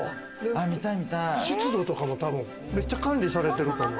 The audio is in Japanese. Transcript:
湿度とかも、めっちゃ管理されてると思う。